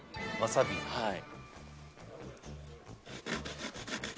はい。